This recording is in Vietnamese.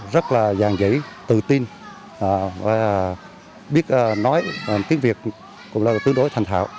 rất là giàn dãy tự tin biết nói tiếng việt cũng là tương đối thành thạo